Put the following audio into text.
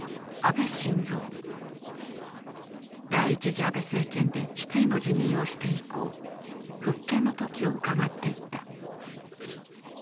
第１次安倍政権で失意の辞任をして以降復権の時をうかがっていた。